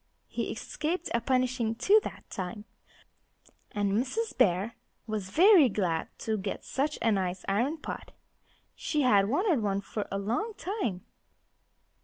He escaped a punishing, too, that time. And Mrs. Bear was very glad to get such a nice iron pot. She had wanted one for a long time.